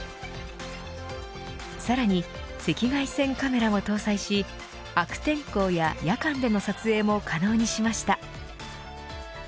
さらに赤外線カメラも搭載し悪天候や夜間での撮影も可能にしました。